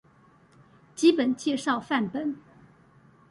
基本介紹範本